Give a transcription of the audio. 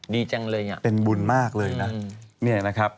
ดีจังเลยน่ะเป็นบุญมากเลยนะ